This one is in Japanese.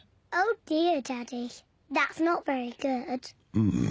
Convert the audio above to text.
うん。